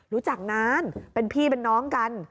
รู้จักนานเป็นพี่เป็นน้องกัน